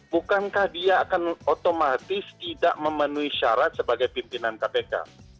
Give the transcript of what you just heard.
bukankah dia akan otomatis tidak memenuhi syarat sebagai pimpinan kpk